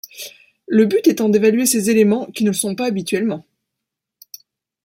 Le but étant d’évaluer ces éléments, qui ne le sont pas habituellement.